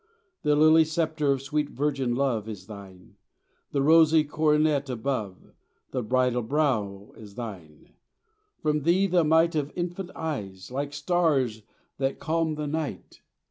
The lily sceptre of sweet virgin love Is thine; the rosy coronet above The bridal brow is thine; from Thee the might Of infant eyes, like stars that calm the night.